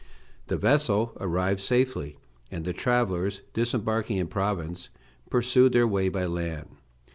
The vessel arrived safely, and the travellers, disembarking in Provence, pursued their way by land.